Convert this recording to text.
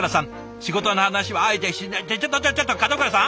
仕事の話はあえてしないちょちょっと門倉さん！